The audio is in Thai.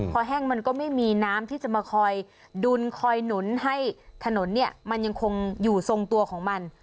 พอแห้งมันก็ไม่มีน้ำที่จะมาคอยดุลคอยหนุนให้ถนนเนี่ยมันยังคงอยู่ทรงตัวของมัน